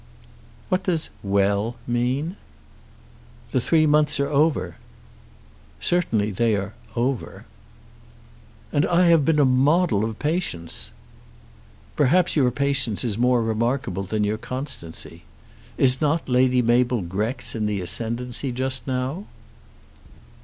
"What does 'well' mean?" "The three months are over." "Certainly they are 'over.'" "And I have been a model of patience." "Perhaps your patience is more remarkable than your constancy. Is not Lady Mabel Grex in the ascendant just now?"